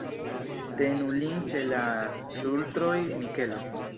Tenu lin ĉe la ŝultroj, Mikelo.